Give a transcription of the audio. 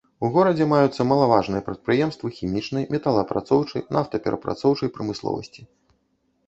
У горадзе маюцца малаважныя прадпрыемствы хімічнай, металаапрацоўчай, нафтаперапрацоўчай прамысловасці.